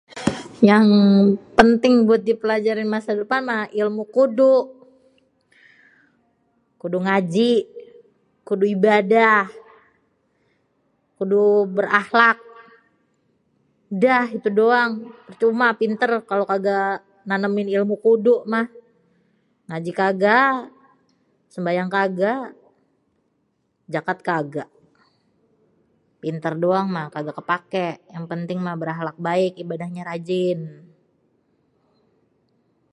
yang penting buat pelajaran masa depan mah ilmu kudu, kudu ngaji, kudu ibadah, kudu berahlak dah gitu doang percuma pintèr kalo kaga nanêmin ilmu kudu mah ngaji kaga sembayang kaga jakat kaga pintèr doang mah kaga kepakê yang penting mah berakhlak baik ibadah rajin.